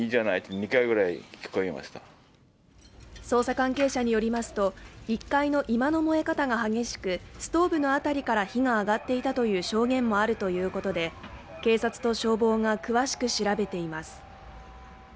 捜査関係者によりますと１階の居間の燃え方が激しくストーブの辺りから火が上がっていたという証言もあるということで警察と消防が詳しく調べています